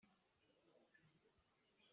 Na nutung deng cang lo maw, ka dua!